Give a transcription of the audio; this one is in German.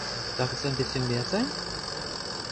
Darf es ein bischen mehr sein?